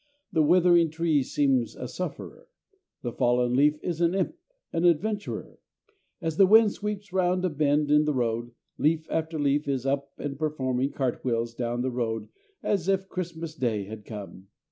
The withering tree seems a sufferer. The fallen leaf is an imp, an adventurer. As the wind sweeps round a bend in the road, leaf after leaf is up and performing cart wheels down the road as if Christmas Day had come.